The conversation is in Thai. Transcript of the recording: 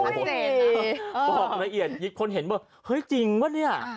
โอ้โหพอบริเอียดคนเห็นบอกเฮ้ยจริงป่ะเนี่ย